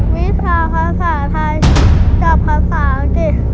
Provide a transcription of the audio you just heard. วิชาภาษาไทยกับภาษาอังกฤษ